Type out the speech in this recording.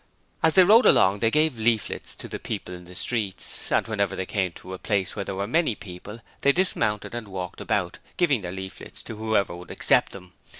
As they rode along they gave leaflets to the people in the streets, and whenever they came to a place where there were many people they dismounted and walked about, giving their leaflets to whoever would accept them.